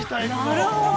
◆なるほど。